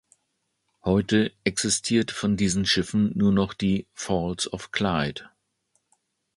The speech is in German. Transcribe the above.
Heute existiert von diesen Schiffen nur noch die "Falls of Clyde".